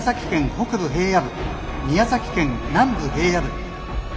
北部平野部宮崎県南部平野部。